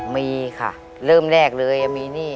มีค่ะเริ่มแรกเลยมีหนี้